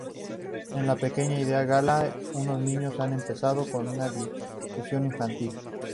En la pequeña aldea gala, unos niños han empezado una discusión infantil.